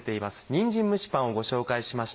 「にんじん蒸しパン」をご紹介しました。